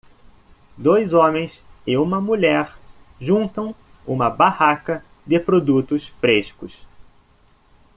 Dois homens e uma mulher juntam uma barraca de produtos frescos.